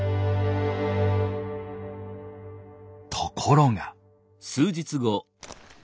ところが。